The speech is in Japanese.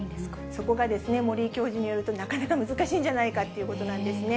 そこがですね、森井教授によるとなかなか難しいんじゃないかということなんですね。